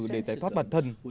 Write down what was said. để giải thoát bản thân